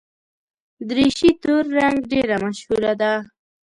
دریشي تور رنګ ډېره مشهوره ده.